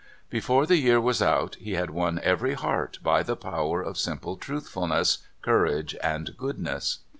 Before the year was out he had won every heart by the power of simple truthfulness, courage, and goodness.